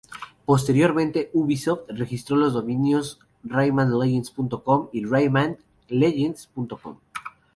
Posteriormente UbiSoft registro los dominios "RaymanLegends.com" y "Rayman-Legends.com".